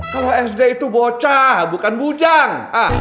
kalau sd itu bocah bukan bujang